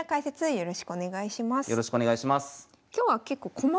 よろしくお願いします。